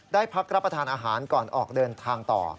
ได้พักรับประทานอาหารก่อนออกเดินทางต่อ